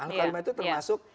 ahlakul karimah itu termasuk